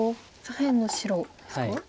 左辺の白ですか？